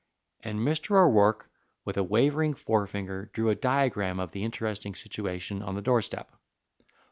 And Mr. O'Rourke with a wavering forefinger drew a diagram of the interesting situation on the doorstep.